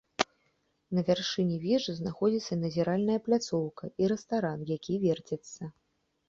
На вяршыні вежы знаходзіцца назіральная пляцоўка і рэстаран, які верціцца.